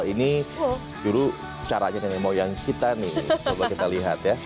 ini dulu caranya nenek moyang kita nih coba kita lihat ya